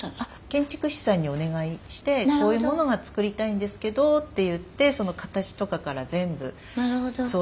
建築士さんにお願いして「こういうものが作りたいんですけど」って言って形とかから全部相談しながら。